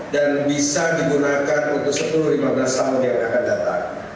dan bisa digunakan untuk sepuluh lima belas tahun yang akan datang